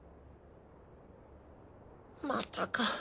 またか。